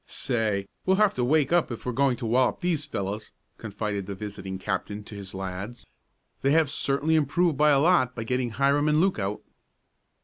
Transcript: "Say, we'll have to wake up if we're going to wallop these fellows," confided the visiting captain to his lads. "They have certainly improved a lot by getting Hiram and Luke out."